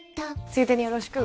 ついでによろしく！